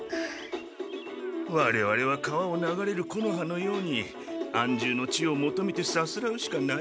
我々は川を流れる木の葉の様に安住の地を求めてさすらうしかないですだ。